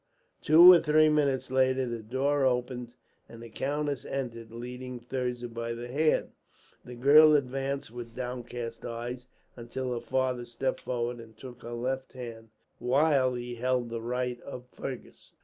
Two or three minutes later the door opened, and the countess entered, leading Thirza by the hand. The girl advanced with downcast eyes, until her father stepped forward and took her left hand, while he held the right of Fergus.